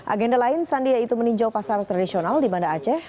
agenda lain sandiaga itu meninjau pasar tradisional di bandar aceh